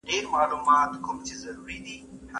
یوازېتوب د انسان په فطرت کي نسته.